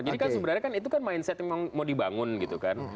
jadi sebenarnya itu kan mindset yang mau dibangun gitu kan